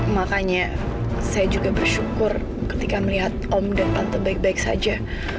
makanya saya juga bersyukur ketika melihat om dan tante baik baik saja